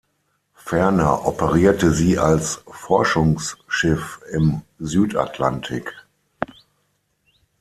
Ferner operierte sie als Forschungsschiff im Südatlantik.